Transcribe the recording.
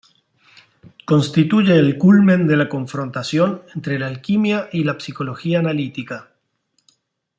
Constituye el culmen de la confrontación entre la alquimia y la psicología analítica.